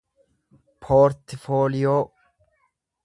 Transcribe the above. poortifooliyoo